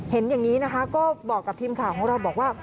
เห็นอย่างนี้นะคะก็บอกกับทีมข่าวของเราบอกว่า